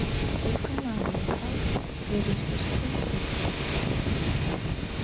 Цӏыфхэм агу рихьэу зэришӏыщтым пылъыгъ.